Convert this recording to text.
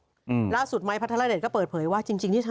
อืมล่าสุดไมค์พัทรเลอร์เน็ตก็เปิดเผยว่าจริงจริงที่